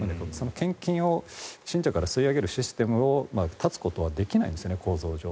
献金を信者から吸い上げるシステムを断つことはできないんですね構造上。